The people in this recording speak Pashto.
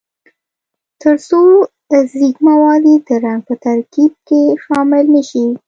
ترڅو ځیږ مواد یې د رنګ په ترکیب کې شامل نه شي.